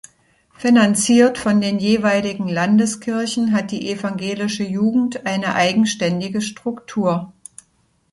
Finanziert von den jeweiligen Landeskirchen, hat die Evangelische Jugend eine eigenständige Struktur.